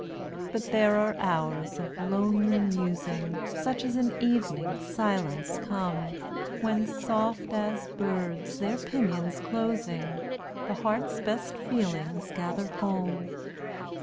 But there are hours of lonely musing, Such as in evening silence come, When, soft as birds their pinions closing, The heart's best feelings gather home.